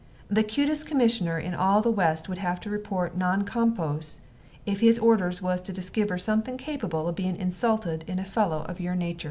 The cutest commissioner in all the West would have to report 'Non compos' if his orders was to diskiver somethin' capable of bein' insulted in a fellow of your natur'."